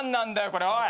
これおい。